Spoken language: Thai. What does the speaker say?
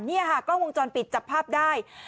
นี่ค่ะกล้องวงจรปิดจับภาพได้